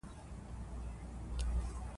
تودوخه د افغانستان د ښاري پراختیا یو مهم سبب دی.